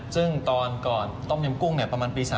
ซึ่งตอนก่อนต้มยำกุ้งประมาณปี๓